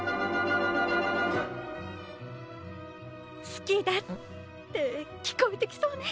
「好きだ」って聞こえてきそうね。